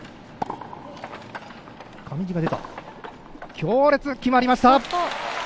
強烈、決まりました！